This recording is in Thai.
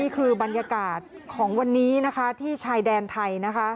คือบรรยากาศของวันนี้นะคะที่ชายแดนไทย